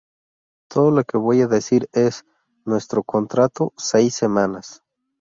Todo lo que voy a decir es: nuestro contrato... seis semanas.